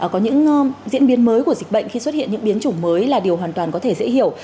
có những diễn biến mới của dịch bệnh khi xuất hiện những biến chủng mới là điều hoàn toàn có thể dễ hiểu